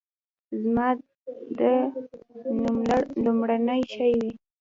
زما د نوملړ لومړنی شی وي.